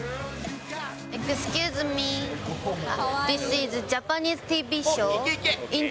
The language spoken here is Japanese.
エクスキューズミー、ディスイズジャパニーズＴＶショー。